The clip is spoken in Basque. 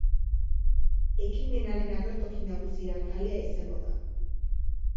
Ekimenaren agertoki nagusia kalea izango da.